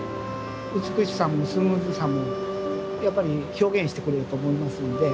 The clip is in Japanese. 美しさもスムーズさもやっぱり表現してくれると思いますんで。